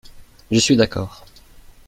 Je suis d’accord.